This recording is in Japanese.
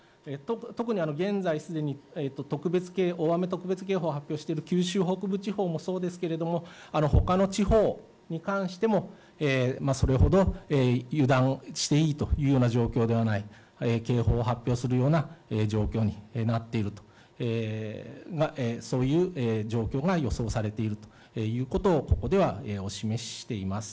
特に現在すでに大雨特別警報を発表している九州北部地方もそうですが、ほかの地方に関してもそれほど油断していいという状況ではない警報を発表するような状況になっているとそういう状況が予想されているということをここではお示ししています。